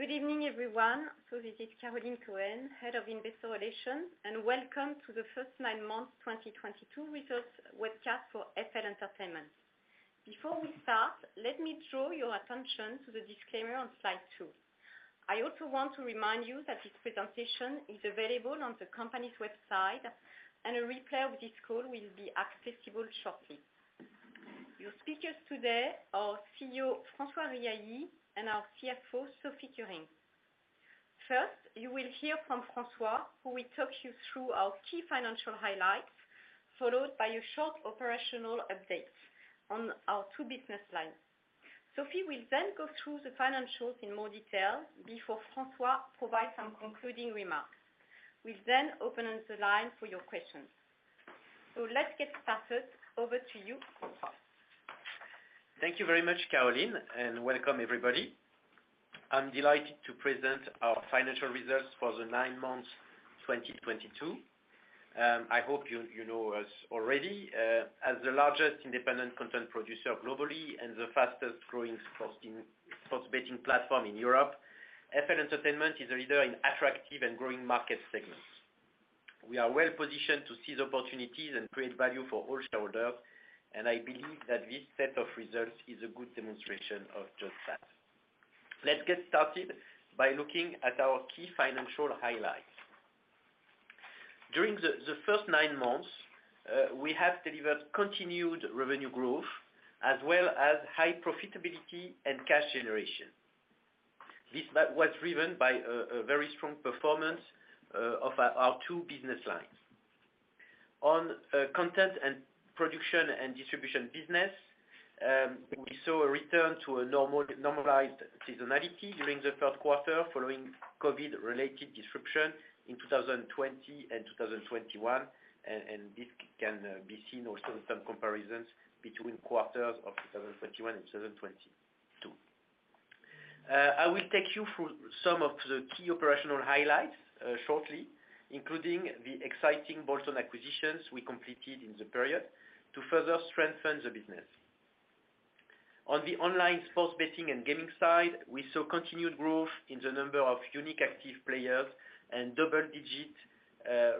Good evening everyone. This is Caroline Cohen, Head of Investor Relations, and welcome to the first nine months 2022 results webcast for FL Entertainment. Before we start, let me draw your attention to the disclaimer on slide two. I also want to remind you that this presentation is available on the company's website, and a replay of this call will be accessible shortly. Your speakers today are CEO François Riahi and our CFO, Sophie Kurinckx. First, you will hear from François, who will talk you through our key financial highlights, followed by a short operational update on our two business lines. Sophie will then go through the financials in more detail before François provides some concluding remarks. We'll then open the line for your questions. Let's get started. Over to you, François. Thank you very much, Caroline, and welcome everybody. I'm delighted to present our financial results for the nine months 2022. I hope you know us already as the largest independent content producer globally and the fastest growing sports betting platform in Europe. FL Entertainment is a leader in attractive and growing market segments. We are well-positioned to seize opportunities and create value for all shareholders. I believe that this set of results is a good demonstration of just that. Let's get started by looking at our key financial highlights. During the first nine months, we have delivered continued revenue growth as well as high profitability and cash generation. This was driven by a very strong performance of our two business lines. On content and production and distribution business, we saw a return to a normalized seasonality during the third quarter following COVID-related disruption in 2020 and 2021. This can be seen also in some comparisons between quarters of 2021 and 2022. I will take you through some of the key operational highlights shortly, including the exciting Bolt-on acquisitions we completed in the period to further strengthen the business. On the online sports betting and gaming side, we saw continued growth in the number of unique active players and double-digit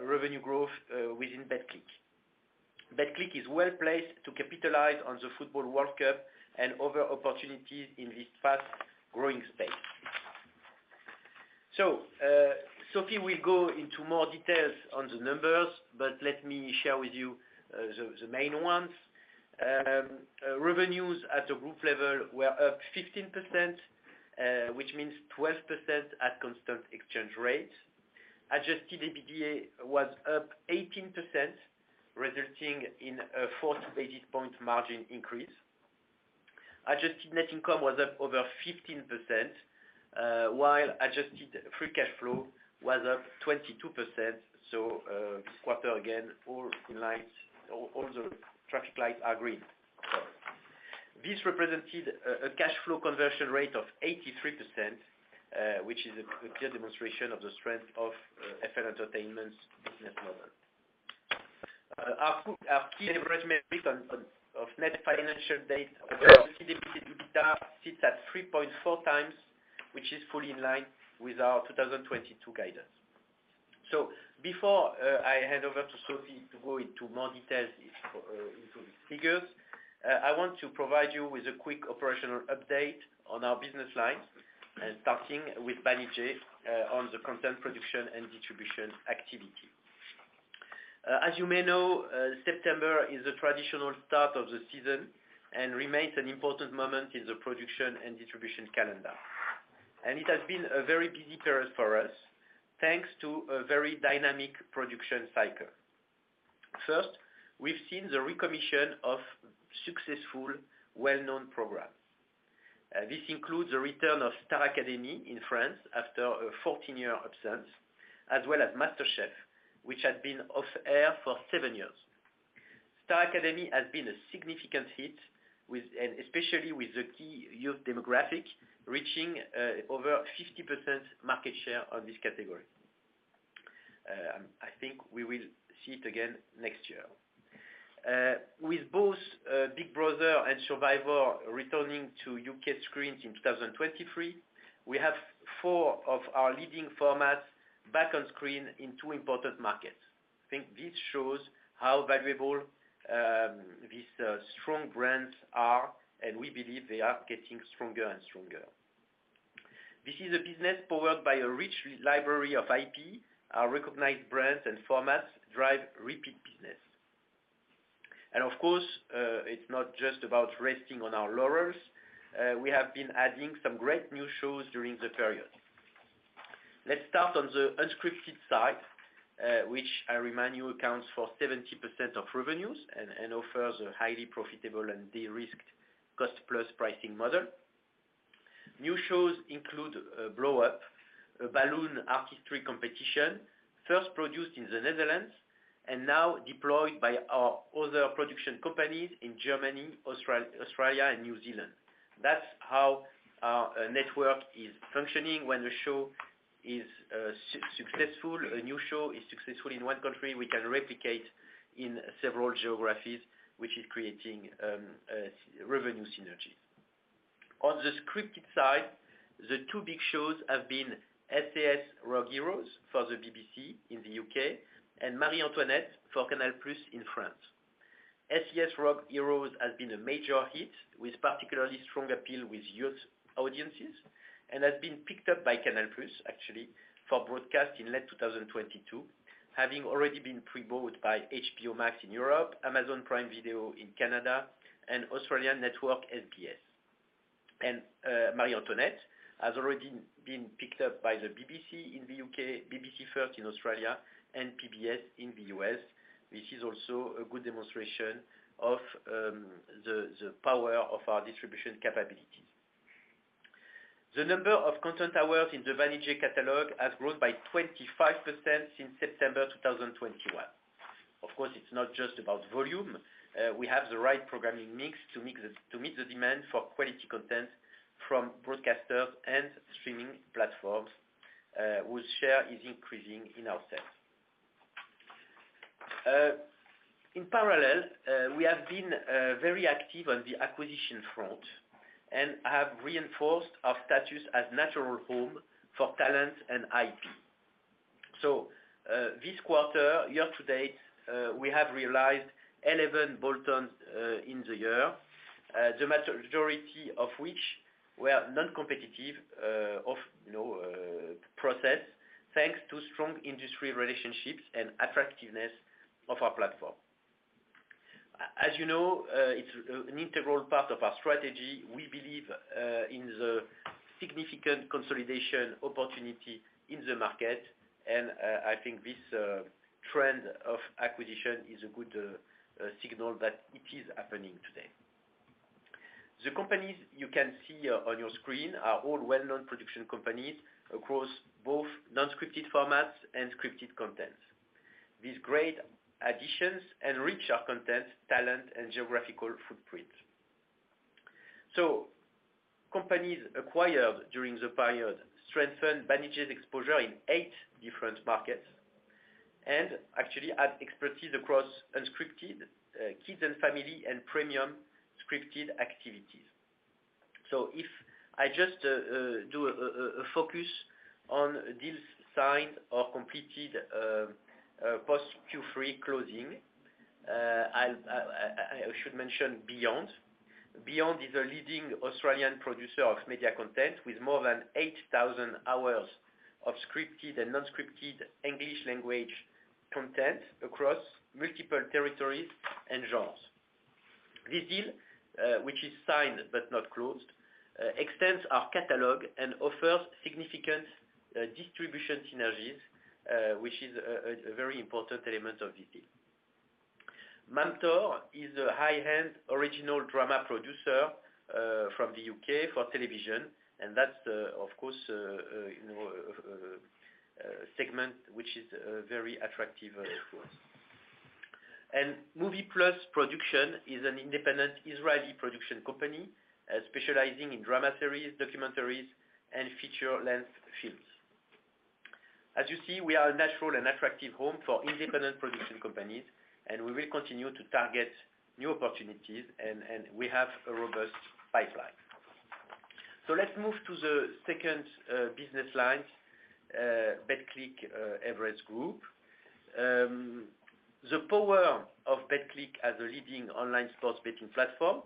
revenue growth within Betclic. Betclic is well-placed to capitalize on the Football World Cup and other opportunities in this fast-growing space. Sophie will go into more details on the numbers, but let me share with you the main ones. Revenues at the group level were up 15%, which means 12% at constant exchange rate. Adjusted EBITDA was up 18%, resulting in a 4 basis point margin increase. Adjusted net income was up over 15%, while adjusted free cash flow was up 22%. This quarter, again, all in line, all the traffic lights are green. This represented a cash flow conversion rate of 83%, which is a clear demonstration of the strength of FL Entertainment's business model. Our key leverage metric of net financial debt sits at 3.4 times, which is fully in line with our 2022 guidance. Before I hand over to Sophie to go into more details into the figures, I want to provide you with a quick operational update on our business lines, starting with Banijay on the content production and distribution activity. As you may know, September is the traditional start of the season and remains an important moment in the production and distribution calendar. It has been a very busy period for us, thanks to a very dynamic production cycle. We've seen the recommission of successful, well-known programs. This includes the return of Star Academy in France after a 14-year absence, as well as MasterChef, which had been off air for seven years. Star Academy has been a significant hit with, and especially with the key youth demographic, reaching over 50% market share on this category. I think we will see it again next year. With both Big Brother and Survivor returning to UK screens in 2023, we have four of our leading formats back on screen in two important markets. I think this shows how valuable these strong brands are, and we believe they are getting stronger and stronger. This is a business powered by a rich library of IP. Our recognized brands and formats drive repeat business. Of course, it's not just about resting on our laurels. We have been adding some great new shows during the period. Let's start on the unscripted side, which I remind you accounts for 70% of revenues and offers a highly profitable and de-risked cost-plus pricing model. New shows include Blow Up, a balloon artistry competition first produced in the Netherlands and now deployed by our other production companies in Germany, Australia and New Zealand. That's how our network is functioning when a show is successful. A new show is successful in one country we can replicate in several geographies, which is creating revenue synergies. On the scripted side, the two big shows have been SAS: Rogue Heroes for the BBC in the UK and Marie Antoinette for Canal+ in France. SAS: Rogue Heroes has been a major hit, with particularly strong appeal with youth audiences, and has been picked up by Canal+ actually for broadcast in late 2022, having already been pre-bought by HBO Max in Europe, Amazon Prime Video in Canada, and Australian network SBS. Marie Antoinette has already been picked up by the BBC in the U.K., BBC First in Australia, and PBS in the U.S., which is also a good demonstration of the power of our distribution capability. The number of content hours in the Banijay catalog has grown by 25% since September 2021. Of course, it's not just about volume. We have the right programming mix to meet the demand for quality content from broadcasters and streaming platforms, whose share is increasing in our set. In parallel, we have been very active on the acquisition front and have reinforced our status as natural home for talent and IP. This quarter, year to date, we have realized 11 Boltons in the year, the majority of which were non-competitive, of, you know, process, thanks to strong industry relationships and attractiveness of our platform. As you know, it's an integral part of our strategy. We believe in the significant consolidation opportunity in the market, I think this trend of acquisition is a good signal that it is happening today. The companies you can see on your screen are all well-known production companies across both non-scripted formats and scripted content. These great additions enrich our content, talent, and geographical footprint. Companies acquired during the period strengthened Banijay's exposure in eight different markets and actually add expertise across unscripted, kids and family, and premium scripted activities. If I just do a focus on deals signed or completed post Q3 closing, I should mention Beyond. Beyond is a leading Australian producer of media content with more than 8,000 hours of scripted and non-scripted English language content across multiple territories and genres. This deal, which is signed but not closed, extends our catalog and offers significant distribution synergies, which is a very important element of this deal. Mam Tor is a high-end original drama producer from the UK for television, and that's, of course, you know, a segment which is very attractive, of course. MoviePlus Productions is an independent Israeli production company, specializing in drama series, documentaries, and feature length films. As you see, we are a natural and attractive home for independent production companies, and we will continue to target new opportunities and we have a robust pipeline. Let's move to the second business line, Betclic Everest Group. The power of Betclic as a leading online sports betting platform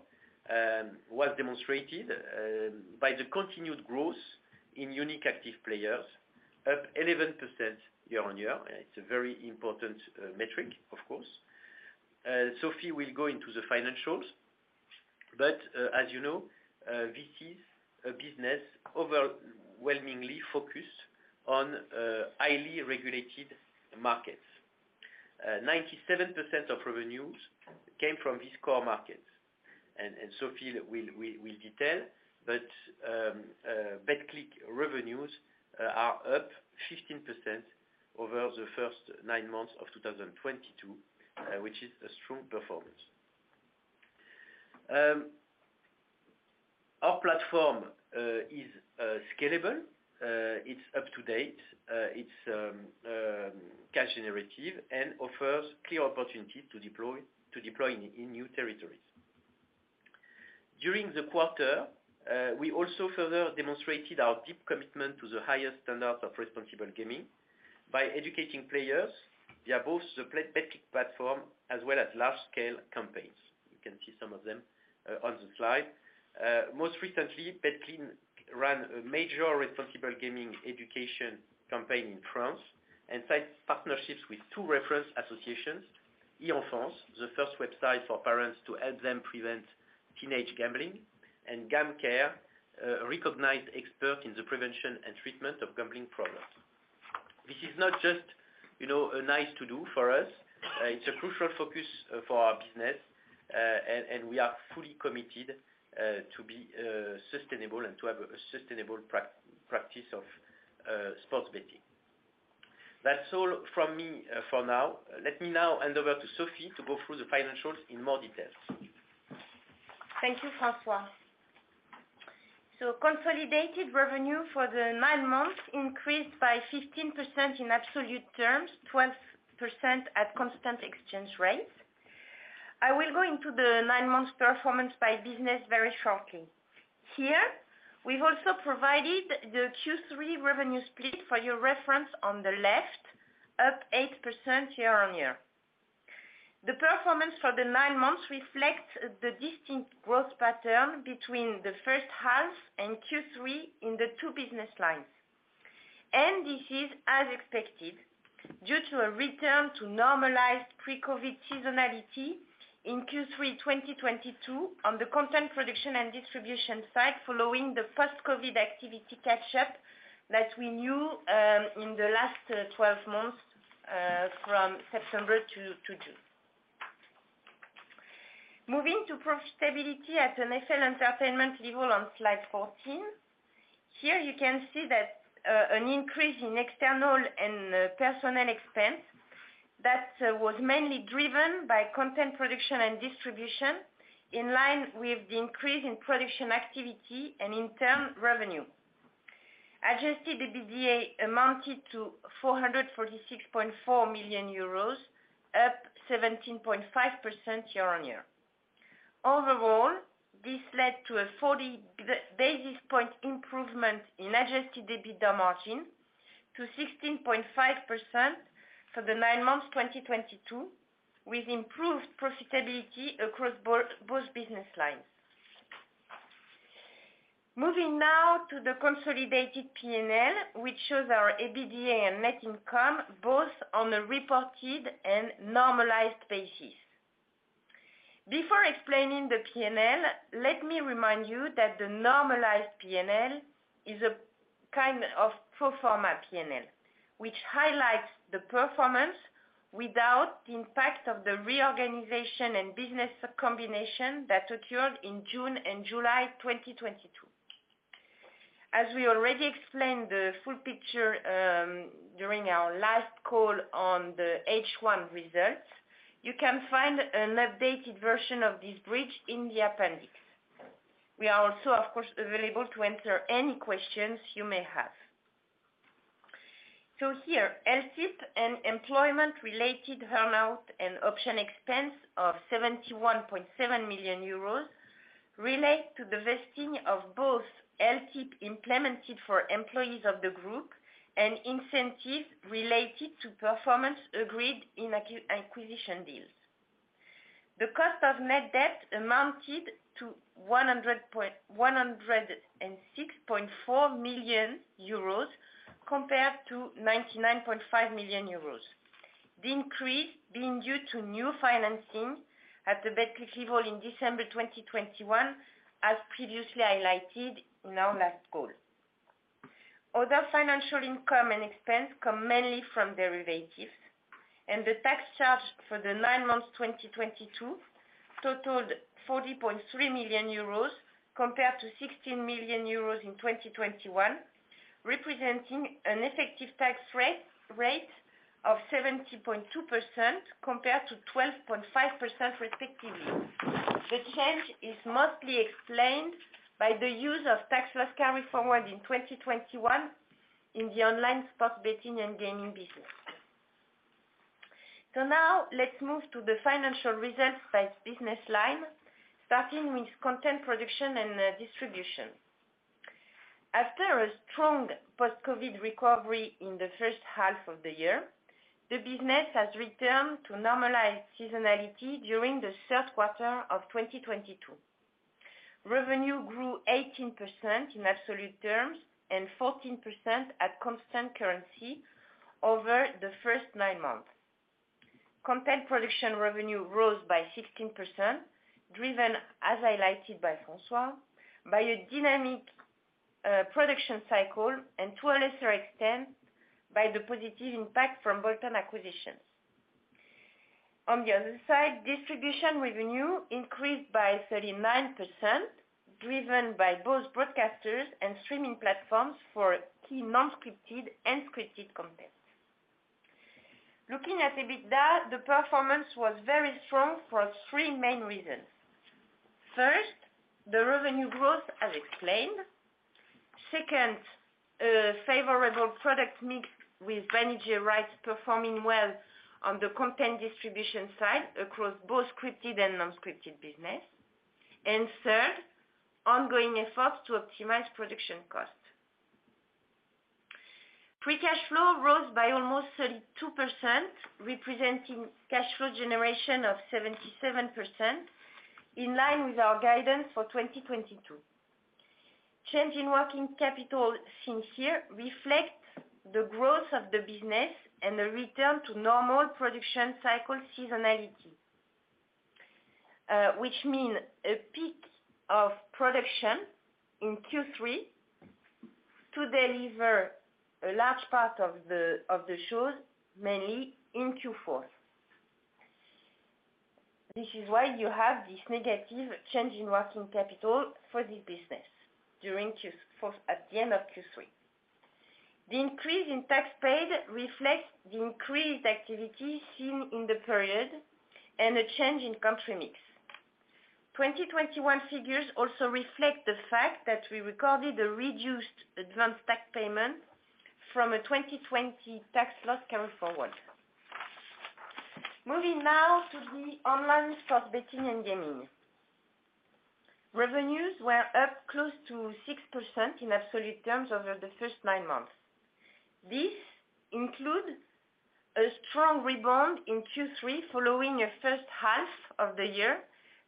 was demonstrated by the continued growth in unique active players, up 11% year-on-year. It's a very important metric, of course. Sophie will go into the financials, as you know, this is a business overwhelmingly focused on highly regulated markets. 97% of revenues came from these core markets, and Sophie will detail. Betclic revenues are up 15% over the first nine months of 2022, which is a strong performance. Our platform is scalable, it's up to date, it's cash generative and offers clear opportunity to deploy in new territories. During the quarter, we also further demonstrated our deep commitment to the highest standards of responsible gaming by educating players via both the Betclic platform as well as large scale campaigns. You can see some of them on the slide. Most recently, Betclic ran a major responsible gaming education campaign in France and signed partnerships with two reference associations, e-Enfance, the first website for parents to help them prevent teenage gambling, and GamCare, a recognized expert in the prevention and treatment of gambling problems. This is not just, you know, a nice to do for us, it's a crucial focus for our business, and we are fully committed to be sustainable and to have a sustainable practice of sports betting. That's all from me for now. Let me now hand over to Sophie to go through the financials in more details. Thank you, François. Consolidated revenue for the nine months increased by 15% in absolute terms, 12% at constant exchange rates. I will go into the nine months performance by business very shortly. Here, we've also provided the Q3 revenue split for your reference on the left, up 8% year-on-year. The performance for the nine months reflects the distinct growth pattern between the first half and Q3 in the two business lines. This is as expected, due to a return to normalized pre-COVID seasonality in Q3 2022 on the content production and distribution side following the post-COVID activity catch-up that we knew in the last 12 months, from September to June. Moving to profitability at an FL Entertainment level on slide 14. Here you can see that an increase in external and personal expense that was mainly driven by content production and distribution, in line with the increase in production activity and in turn, revenue. Adjusted EBITDA amounted to 446.4 million euros, up 17.5% year-on-year. Overall, this led to a 40 basis point improvement in Adjusted EBITDA margin to 16.5% for the nine months 2022, with improved profitability across both business lines. Moving now to the consolidated P&L, which shows our EBITDA and net income both on a reported and normalized basis. Before explaining the P&L, let me remind you that the normalized P&L is a kind of pro forma P&L, which highlights the performance without the impact of the reorganization and business combination that occurred in June and July 2022. As we already explained the full picture, during our last call on the H1 results, you can find an updated version of this bridge in the appendix. We are also, of course, available to answer any questions you may have. Here, LTIP and employment-related earn-out and option expense of 71.7 million euros relate to the vesting of both LTIP implemented for employees of the group and incentives related to performance agreed in acquisition deals. The cost of net debt amounted to 106.4 million euros compared to 99.5 million euros. The increase being due to new financing at the Betclic level in December 2021, as previously highlighted in our last call. Other financial income and expense come mainly from derivatives. The tax charge for the nine months 2022 totaled 40.3 million euros compared to 16 million euros in 2021, representing an effective tax rate of 70.2% compared to 12.5% respectively. The change is mostly explained by the use of tax loss carryforward in 2021 in the online sports betting and gaming business. Now let's move to the financial results by business line, starting with content production and distribution. After a strong post-COVID recovery in the first half of the year, the business has returned to normalized seasonality during the third quarter of 2022. Revenue grew 18% in absolute terms and 14% at constant currency over the first nine months. Content production revenue rose by 16%, driven, as highlighted by François, by a dynamic production cycle and to a lesser extent by the positive impact from Bolton acquisitions. On the other side, distribution revenue increased by 39%, driven by both broadcasters and streaming platforms for key non-scripted and scripted content. Looking at EBITDA, the performance was very strong for three main reasons. First, the revenue growth as explained. Second, favorable product mix with manager rights performing well on the content distribution side across both scripted and non-scripted business. Third, ongoing efforts to optimize production cost. Free cash flow rose by almost 32%, representing cash flow generation of 77%, in line with our guidance for 2022. Change in working capital since here reflects the growth of the business and the return to normal production cycle seasonality, which mean a peak of production in Q3 to deliver a large part of the, of the shows, mainly in Q4. This is why you have this negative change in working capital for this business during for, at the end of Q3. The increase in tax paid reflects the increased activity seen in the period and a change in country mix. 2021 figures also reflect the fact that we recorded a reduced advanced tax payment from a 2020 tax loss carryforward. Moving now to the online sports betting and gaming. Revenues were up close to 6% in absolute terms over the first nine months. This includes a strong rebound in Q3 following a first half of the year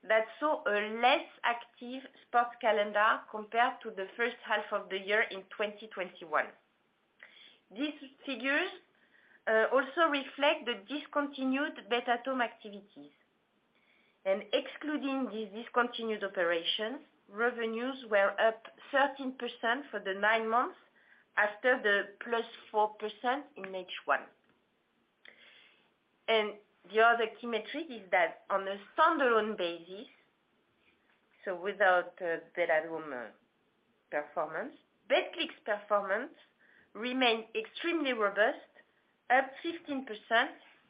that saw a less active sports calendar compared to the first half of the year in 2021. These figures also reflect the discontinued bet-at-home activities. Excluding these discontinued operations, revenues were up 13% for the nine months after the +4% in H1. The other key metric is that on a standalone basis, so without bet-at-home performance, Betclic's performance remained extremely robust, up 15%,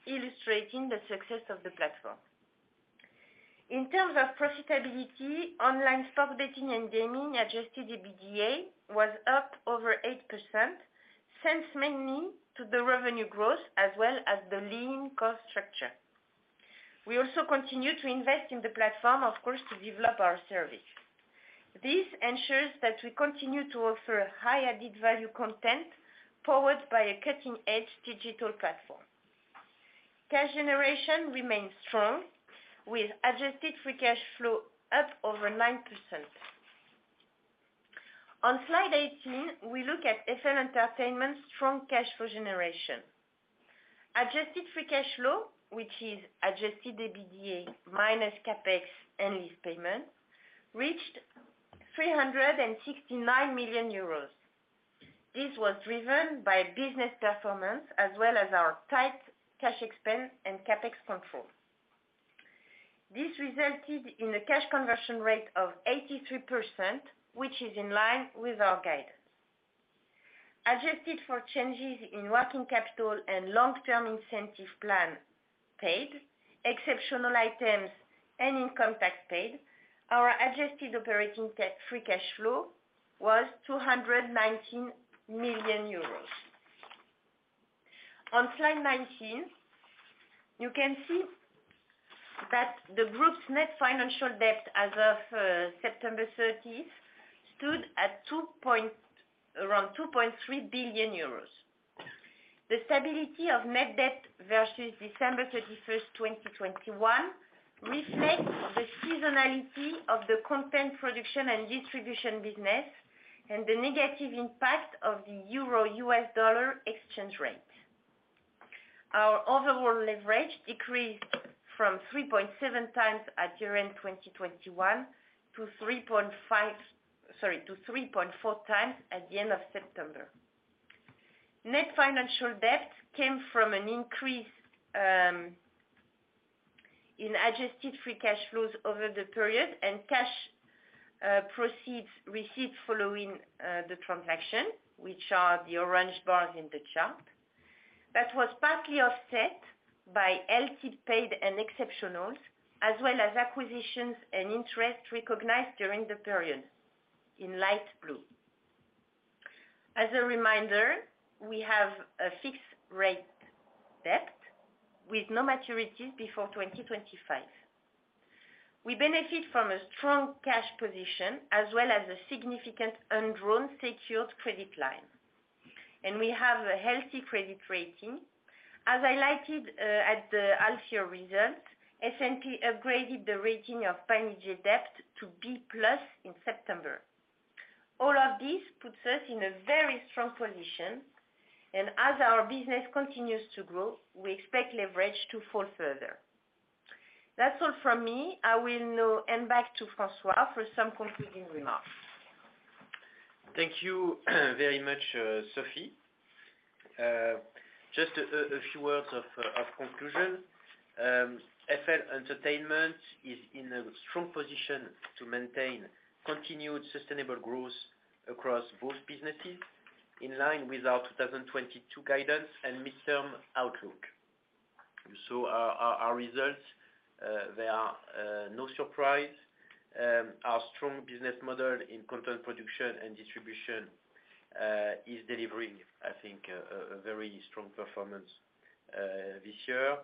illustrating the success of the platform. In terms of profitability, online sports betting and gaming Adjusted EBITDA was up over 8%, thanks mainly to the revenue growth as well as the lean cost structure. We also continue to invest in the platform, of course, to develop our service. This ensures that we continue to offer high added value content powered by a cutting-edge digital platform. Cash generation remains strong with adjusted free cash flow up over 9%. On slide 18, we look at FL Entertainment's strong cash flow generation. Adjusted free cash flow, which is Adjusted EBITDA minus CapEx and lease payment, reached 369 million euros. This was driven by business performance as well as our tight cash expense and CapEx control. This resulted in a cash conversion rate of 83%, which is in line with our guidance. Adjusted for changes in working capital and long-term incentive plan paid, exceptional items and income tax paid, our adjusted operating free cash flow was 219 million euros. On slide 19, you can see that the group's net financial debt as of September 30th stood at around 23 billion euros. The stability of net debt versus December 31st, 2021 reflects the seasonality of the content production and distribution business and the negative impact of the euro-U.S. dollar exchange rate. Our overall leverage decreased from 3.7 times at year-end 2021 to 3.4 times at the end of September. Net financial debt came from an increase in Adjusted free cash flows over the period and cash proceeds received following the transaction, which are the orange bars in the chart, that was partly offset by LTIP paid and exceptional, as well as acquisitions and interest recognized during the period in light blue. As a reminder, we have a fixed rate debt with no maturities before 2025. We benefit from a strong cash position as well as a significant undrawn secured credit line. We have a healthy credit rating. As highlighted, at the half year results, S&P upgraded the rating of Banijay Debt to B+ in September. All of this puts us in a very strong position, and as our business continues to grow, we expect leverage to fall further. That's all from me. I will now hand back to François for some concluding remarks. Thank you very much, Sophie. Just a few words of conclusion. FL Entertainment is in a strong position to maintain continued sustainable growth across both businesses in line with our 2022 guidance and midterm outlook. You saw our results. They are no surprise. Our strong business model in content production and distribution is delivering, I think, a very strong performance this year.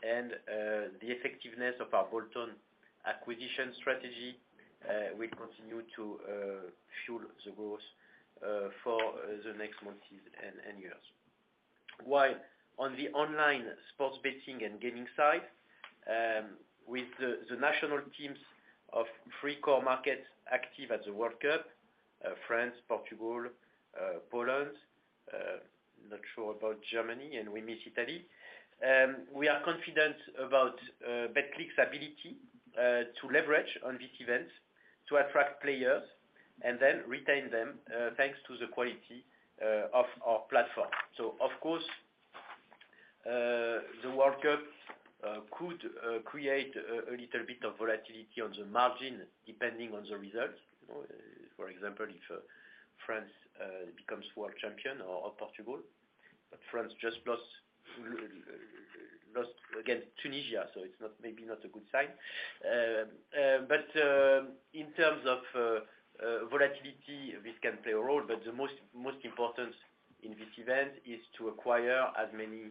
The effectiveness of our Bolton acquisition strategy will continue to fuel the growth for the next months and years. While on the online sports betting and gaming side, with the national teams of three core markets active at the World Cup, France, Portugal, Poland, not sure about Germany, and we miss Italy, we are confident about Betclic's ability to leverage on this event to attract players and then retain them, thanks to the quality of our platform. Of course, the World Cup could create a little bit of volatility on the margin depending on the results. You know, for example, if France becomes world champion or Portugal, but France just lost against Tunisia, so it's not maybe not a good sign. In terms of volatility, this can play a role, but the most important in this event is to acquire as many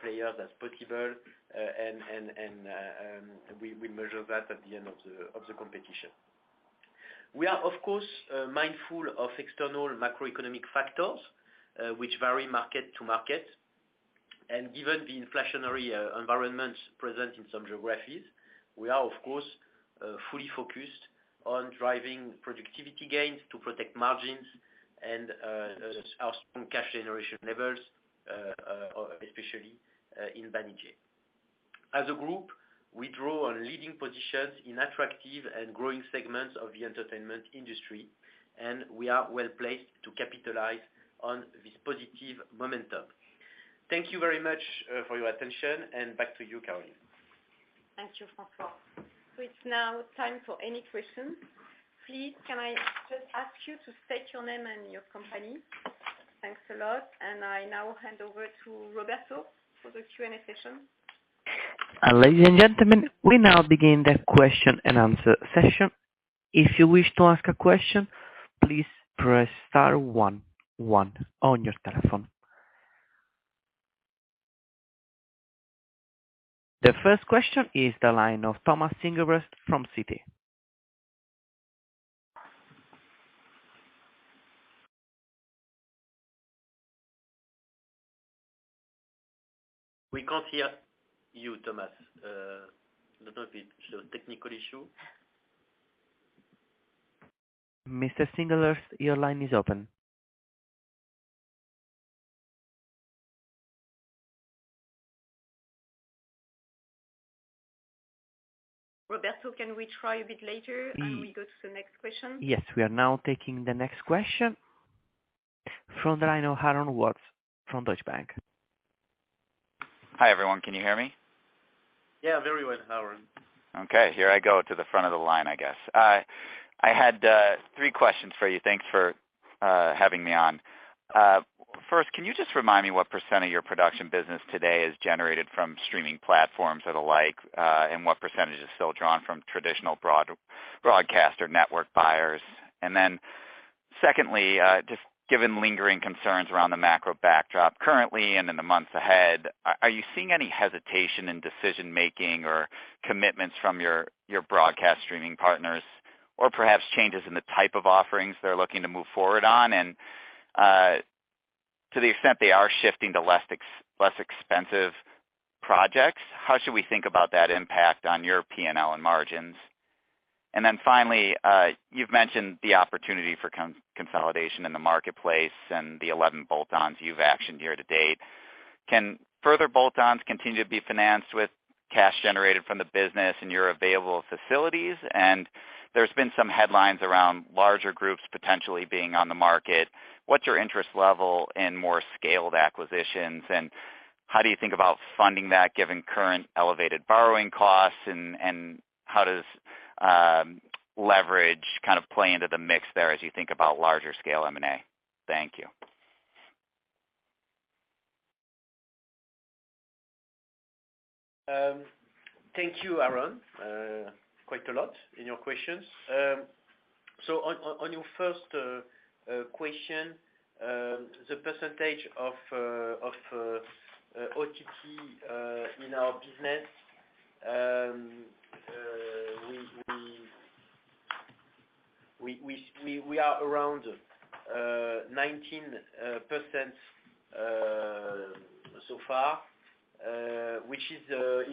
players as possible. We measure that at the end of the competition. We are, of course, mindful of external macroeconomic factors, which vary market to market. Given the inflationary environment present in some geographies, we are of course, fully focused on driving productivity gains to protect margins and our strong cash generation levels, especially in Banijay. As a group, we draw on leading positions in attractive and growing segments of the entertainment industry, and we are well-placed to capitalize on this positive momentum. Thank you very much for your attention and back to you, Caroline. Thank you, François. It's now time for any questions. Please, can I just ask you to state your name and your company? Thanks a lot. I now hand over to Roberto for the Q&A session. Ladies and gentlemen, we now begin the question and answer session. If you wish to ask a question, please press star one one on your telephone. The first question is the line of Thomas Singlehurst from Citi. We can't hear you, Thomas. I don't know if it's a technical issue. Mr. Singlehurst, your line is open. Roberto, can we try a bit later... Y- We go to the next question? Yes. We are now taking the next question from the line of Aaron Watts from Deutsche Bank. Hi, everyone. Can you hear me? Yeah. Very well, Aaron. Okay. Here I go to the front of the line, I guess. I had three questions for you. Thanks for having me on. First, can you just remind me what % of your production business today is generated from streaming platforms and the like, and what % is still drawn from traditional broad-broadcast or network buyers? Secondly, just given lingering concerns around the macro backdrop currently and in the months ahead, are you seeing any hesitation in decision-making or commitments from your broadcast streaming partners, or perhaps changes in the type of offerings they're looking to move forward on? To the extent they are shifting to less expensive projects, how should we think about that impact on your P&L and margins? Finally, you've mentioned the opportunity for consolidation in the marketplace and the 11 bolt-ons you've actioned here to date. Can further bolt-ons continue to be financed with cash generated from the business and your available facilities? There's been some headlines around larger groups potentially being on the market. What's your interest level in more scaled acquisitions, and how do you think about funding that given current elevated borrowing costs and how does leverage kind of play into the mix there as you think about larger scale M&A? Thank you. Thank you, Haron, quite a lot in your questions. On your first question, the percentage of OTT in our business, we are around 19% so far, which is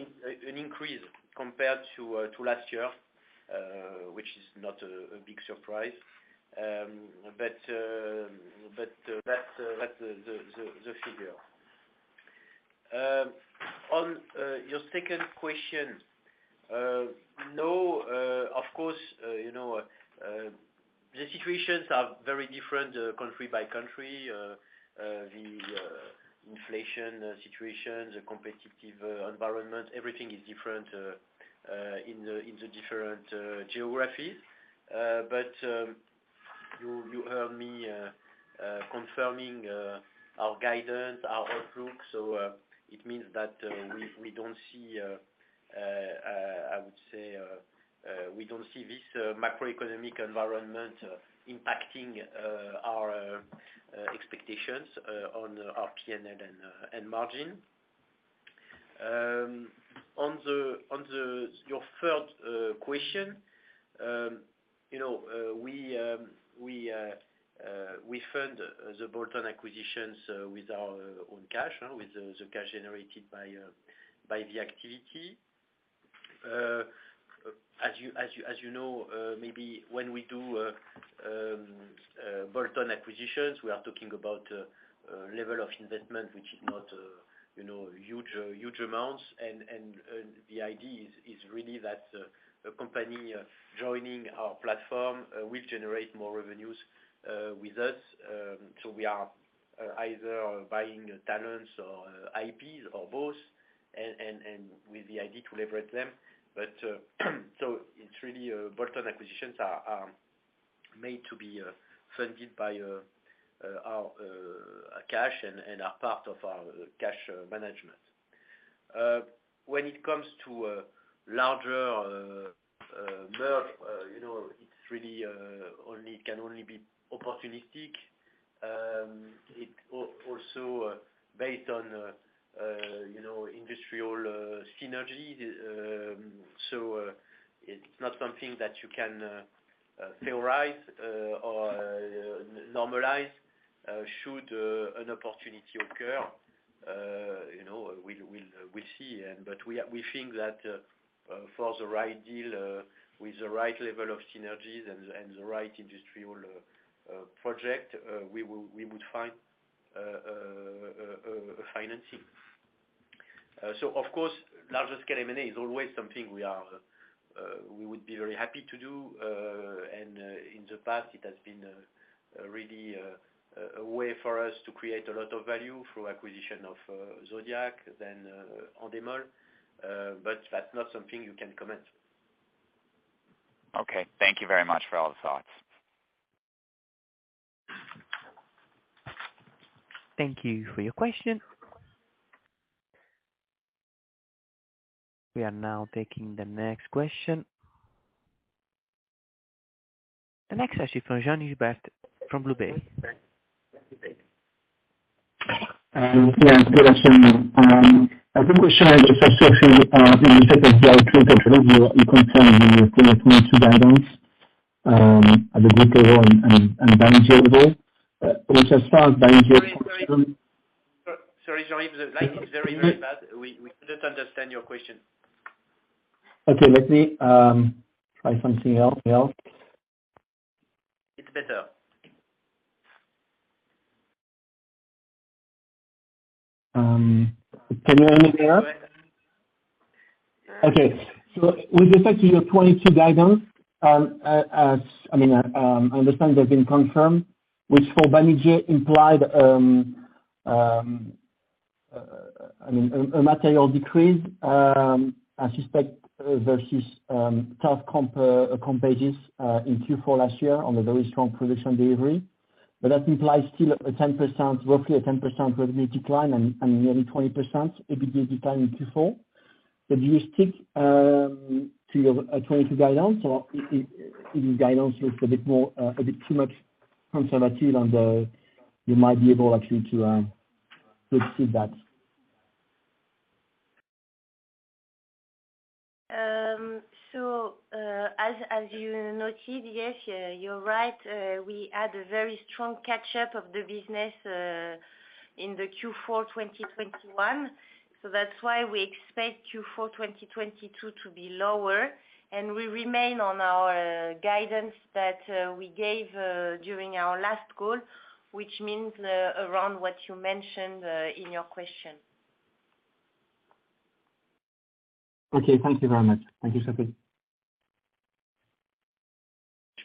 an increase compared to last year, which is not a big surprise. That's the figure. On your second question. No, of course, you know, the situations are very different country by country, the inflation situation, the competitive environment, everything is different in the different geographies. You heard me confirming our guidance, our outlook. it means that we don't see, I would say, we don't see this macroeconomic environment impacting our expectations on our P&L and end margin. On your third question. you know, we fund the Bolton acquisitions with our own cash, with the cash generated by the activity. as you know, maybe when we do bolt-on acquisitions, we are talking about a level of investment which is not, you know, huge, huge amounts. the idea is really that a company joining our platform will generate more revenues with us. We are either buying talents or IPs or both, and with the idea to leverage them. It's really bolt-on acquisitions are made to be funded by our cash and are part of our cash management. When it comes to a larger merge, you know, it can only be opportunistic. It also based on, you know, industrial synergy. It's not something that you can theorize or normalize should an opportunity occur. You know, we'll see. We think that for the right deal, with the right level of synergies and the right industrial project, we would find financing. Of course, larger scale M&A is always something we would be very happy to do. In the past it has been really a way for us to create a lot of value through acquisition of Zodiak then Endemol. That's not something you can comment. Thank you very much for all the thoughts. Thank you for your question. We are now taking the next question. The next question from Jean-Hubert from BlueBay. Yeah. Good afternoon. I think we'll share the first question. In respect of the full-year guidance, as a group level and Banijay level. Sorry, Jean. The line is very, very bad. We couldn't understand your question. Okay. Let me, try something else. It's better. Can you hear me now? Yes. Okay. With respect to your 2022 guidance, I mean, I understand there's been confirmed which for Banijay implied, I mean, a material decrease, I suspect versus tough comp comparables in Q4 last year on the very strong production delivery. That implies still a 10%, roughly a 10% revenue decline and nearly 20% EBITDA decline in Q4. Do you stick to your 2022 guidance, or if the guidance looks a bit more a bit too much conservative and you might be able actually to proceed that? As you noted, yes, you're right. We had a very strong catch-up of the business in the Q4 2021, so that's why we expect Q4 2022 to be lower. We remain on our guidance that, we gave, during our last call, which means, around what you mentioned, in your question. Okay. Thank you very much. Thank you, Sophie.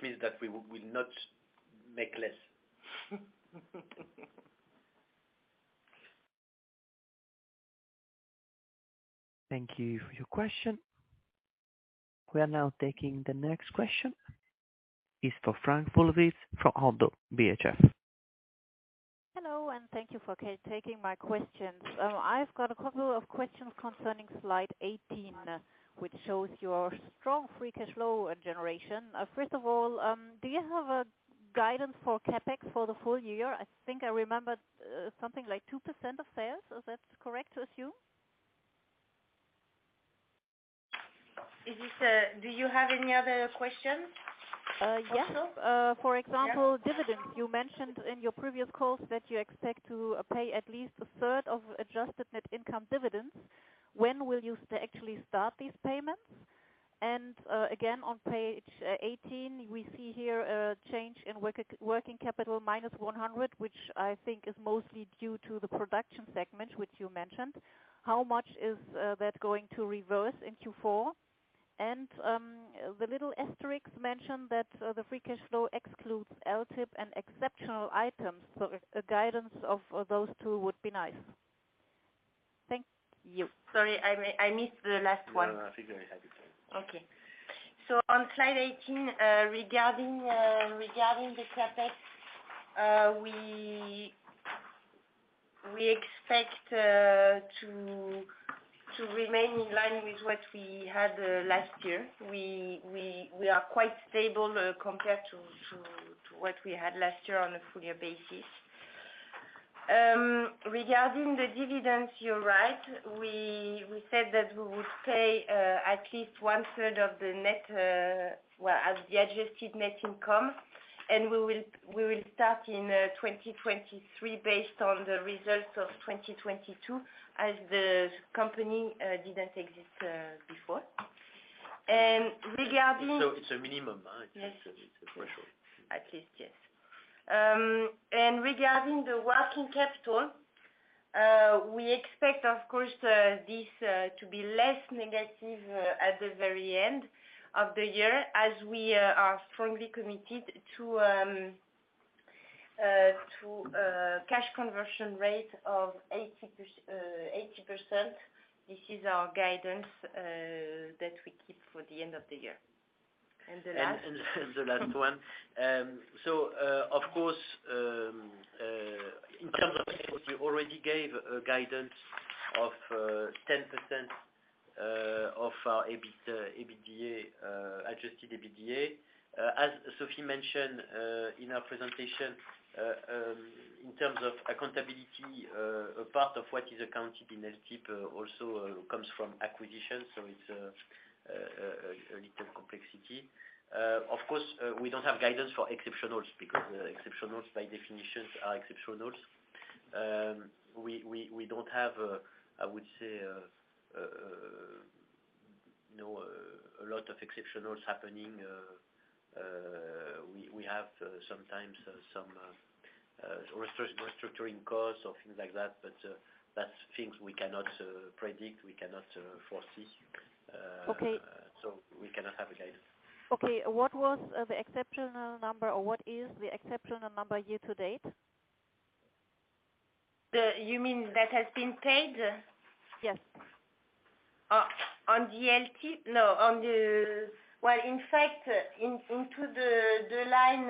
Which means that we will not make less. Thank you for your question. We are now taking the next question. It's for Frank Pinar from ODDO BHF. Hello, thank you for taking my questions. I've got a couple of questions concerning slide 18, which shows your strong free cash flow and generation. First of all, do you have a guidance for CapEx for the full year? I think I remembered something like 2% of sales. Is that correct to assume? Do you have any other questions also? Yes. Yeah. dividends. You mentioned in your previous calls that you expect to pay at least a third of adjusted net income dividends. When will you actually start these payments? On page 18, we see here a change in working capital -100, which I think is mostly due to the production segment, which you mentioned. How much is that going to reverse in Q4? The little asterisk mentioned that the free cash flow excludes LTIP and exceptional items. A guidance of those two would be nice. Thank you. Sorry, I missed the last one. No, I'll be very happy to. Okay. On slide 18, regarding the CapEx, we expect to remain in line with what we had last year. We are quite stable compared to what we had last year on a full year basis. Regarding the dividends, you're right. We said that we would pay at least one third of the net, as the Adjusted net income, we will start in 2023 based on the results of 2022 as the company didn't exist before. And regarding- It's a minimum. Yes. It's a threshold. At least, yes. Regarding the working capital, we expect, of course, this to be less negative at the very end of the year as we are firmly committed to cash conversion rate of 80%. This is our guidance that we keep for the end of the year. The last? The last one. Of course, in terms of what we already gave a guidance of 10% of our EBITDA, Adjusted EBITDA. As Sophie mentioned, in our presentation, in terms of accountability, a part of what is accounted in LTIP also comes from acquisitions, so it's a little complexity. Of course, we don't have guidance for exceptionals because exceptionals by definition are exceptionals. We don't have, I would say, you know, a lot of exceptionals happening. We have sometimes some restructuring costs or things like that, but that's things we cannot predict, we cannot foresee. Okay. We cannot have a guidance. Okay. What was, the exceptional number or what is the exceptional number year-to-date? You mean that has been paid? Yes. In fact, into the line,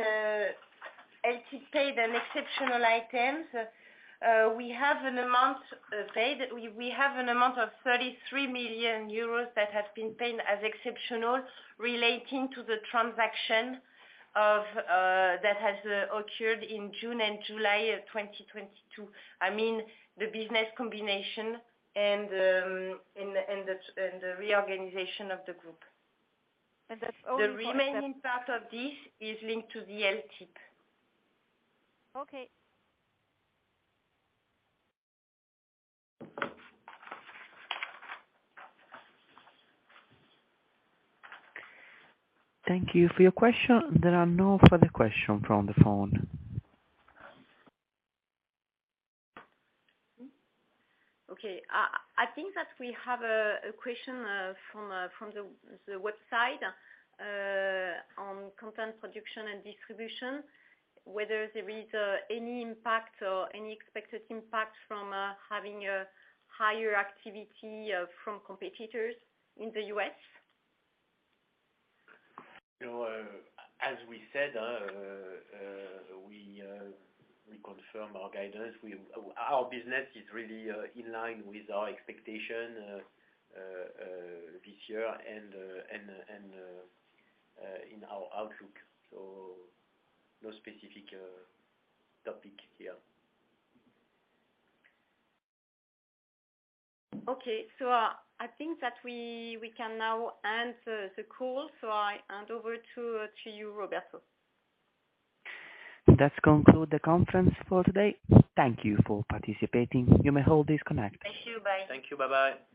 LT paid and exceptional items, we have an amount paid. We have an amount of 33 million euros that has been paid as exceptional relating to the transaction that has occurred in June and July of 2022. I mean, the business combination and the reorganization of the group. That's only. The remaining part of this is linked to the LTIP. Okay. Thank you for your question. There are no further question from the phone. Okay. I think that we have a question from the website on content production and distribution, whether there is any impact or any expected impact from having a higher activity from competitors in the U.S. You know, as we said, we confirm our guidance. We, our business is really in line with our expectation this year and in our outlook. No specific topic here. Okay. I think that we can now end the call, so I hand over to you, Roberto. That conclude the conference for today. Thank you for participating. You may all disconnect. Thank you. Bye. Thank you. Bye bye.